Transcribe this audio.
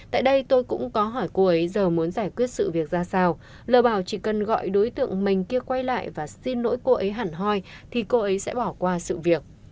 tại đây tôi cũng có hỏi cô ấy giờ muốn giải quyết sự việc ra sao lời bảo chỉ cần gọi đối tượng mình kia quay lại và xin lỗi cô ấy hẳn hoi thì cô ấy sẽ bỏ qua sự việc